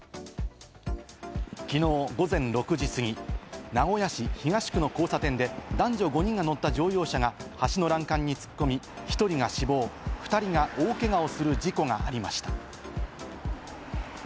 昨日、午前６時過ぎ名古屋市東区の交差点で男女５人が乗った乗用車が橋の欄干に突っ込み、１人が死亡、２人が大けがをする事故がありました。